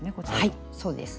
はいそうです。